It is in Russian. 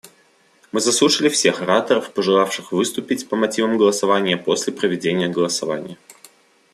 Мы заслушали всех ораторов, пожелавших выступить по мотивам голосования после проведения голосования.